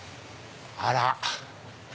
あら！